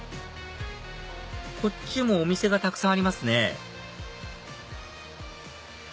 こっちもお店がたくさんありますね